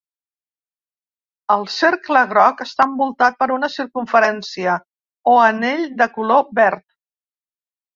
El cercle groc està envoltat per una circumferència o anell de color verd.